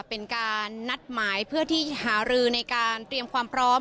เป็นการนัดหมายเพื่อที่หารือในการเตรียมความพร้อม